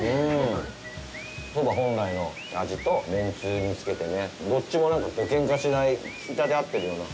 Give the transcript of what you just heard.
そば本来の味とめんつゆにつけてねどっちもなんかけんかしない引き立て合ってるような。